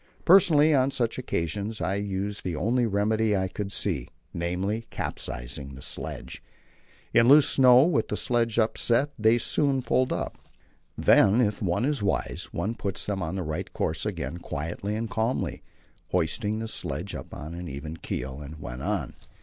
Personally, on such occasions, I used the only remedy I could see namely, capsizing the sledge. In loose snow with the sledge upset they soon pulled up. Then, if one was wise, one put them on the right course again quietly and calmly, hoisted the sledge on to an even keel, and went on.